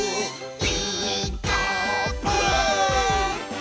「ピーカーブ！」